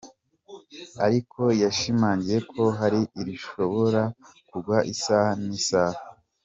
Ariko yashimangiye ko hari irishobora kugwa isaha n’isaha.